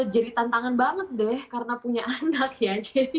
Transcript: jadi tantangan banget deh karena punya anak ya